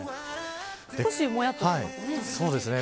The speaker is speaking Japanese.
少し、もやっとしてますね。